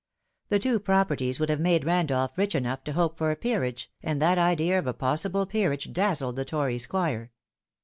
The two properties would have made Randolph rich enough to hope for a peerage, and that idea of a possible peerage dazzled the Tory squire.